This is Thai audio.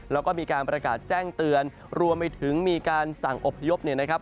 แล้วก็มีการประกาศแจ้งเตือนรวมไปถึงมีการสั่งอบพยพเนี่ยนะครับ